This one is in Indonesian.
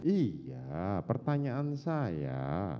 iya pertanyaan saya